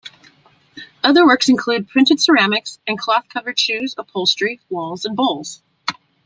Other works include printed ceramics, and cloth-covered shoes, upholstery, walls and bowls.